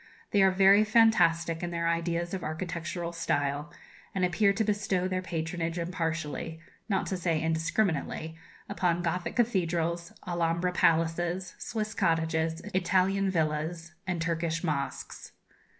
They are very fantastic in their ideas of architectural style, and appear to bestow their patronage impartially, not to say indiscriminately, upon Gothic cathedrals, Alhambra palaces, Swiss cottages, Italian villas, and Turkish mosques.